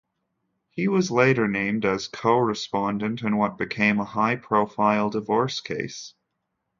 He was later named as co-respondent in what became a high-profile divorce case.